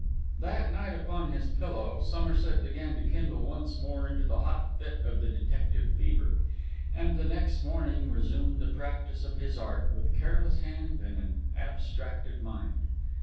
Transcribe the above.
That night upon his pillow, Somerset began to kindle once more into the hot fit of the detective fever; and the next morning resumed the practice of his art with careless hand and an abstracted mind.